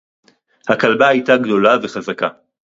הַכַּלְבָּה הָיְתָה גְּדוֹלָה וַחֲזָקָה